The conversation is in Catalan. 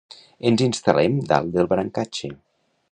Ens instal·lem dalt del brancatge.